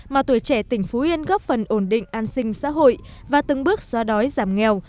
mà tuổi trẻ tỉnh phú yên góp phần ổn định an sinh xã hội và từng bước xóa đói giảm nghèo